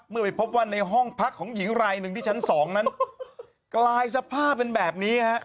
ไปพบว่าในห้องพักของหญิงรายหนึ่งที่ชั้นสองนั้นกลายสภาพเป็นแบบนี้ฮะ